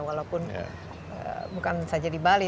walaupun bukan saja di bali